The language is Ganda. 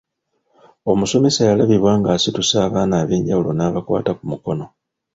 Omusomesa yalabibwa ng’asitusa abaana ab’enjawulo n’abakwata ku mukono.